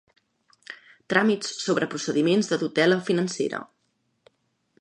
Tràmits sobre procediments de tutela financera.